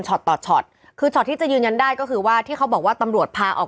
ต่อช็อตคือช็อตที่จะยืนยันได้ก็คือว่าที่เขาบอกว่าตำรวจพาออก